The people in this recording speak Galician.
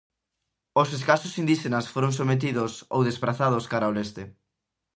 Os escasos indíxenas foron sometidos ou desprazados cara ao leste.